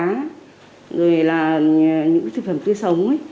rồi là những thực phẩm tươi sống